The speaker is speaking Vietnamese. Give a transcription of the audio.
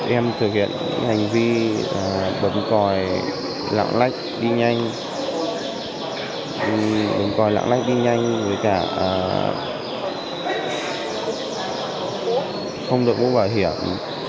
em thực hiện hành vi bấm còi lặng lách đi nhanh bấm còi lặng lách đi nhanh với cả không được bố bảo hiểm